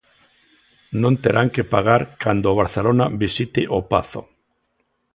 Non terán que pagar cando o Barcelona visite o Pazo.